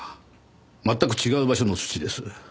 全く違う場所の土です。